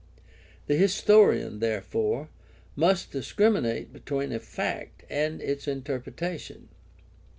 The historian, therefore, must discriminate between a fact and its inter pretation.